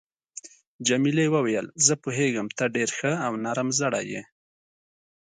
جميلې وويل: زه پوهیږم ته ډېر ښه او نرم زړی یې.